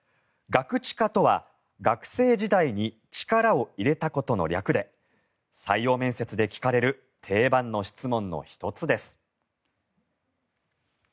「ガクチカ」とは学生時代に力を入れたことの略で採用面接で聞かれる定番の質問の１つです。